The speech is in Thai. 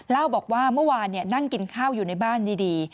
เล่าบอกว่าเมื่อวานนั่งกินข้าวอยู่ในบ้านดี